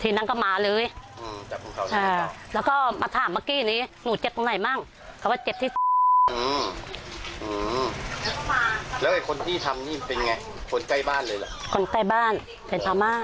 ทีนั้นก็มาเลยอืมจับของเขาอ่าแล้วก็มาถามเมื่อกี้นี้